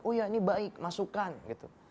oh iya ini baik masukkan gitu